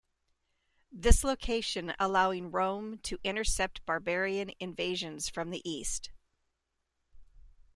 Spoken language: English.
This location allowing Rome to intercept barbarian invasions from the East.